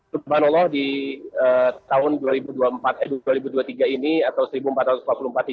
subhanallah di tahun dua ribu dua puluh tiga ini atau seribu empat ratus empat puluh empat hijrah ini